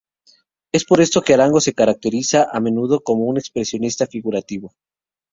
Es por esto que Arango se caracteriza a menudo como un expresionista figurativo.